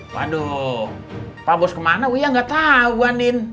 waduh pak bos kemana uya nggak tau bu andin